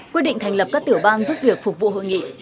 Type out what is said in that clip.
quyết định thành lập các tiểu ban giúp việc phục vụ hội nghị